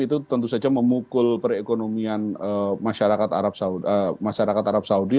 itu tentu saja memukul perekonomian masyarakat arab saudi